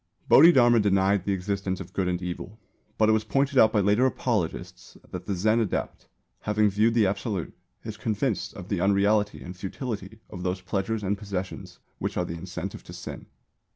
Bodhidharma denied the existence of Good and Evil; but it was pointed out by later apologists that the Zen adept, having viewed the Absolute, is convinced of the unreality and futility of those pleasures and possessions which are the incentive to sin.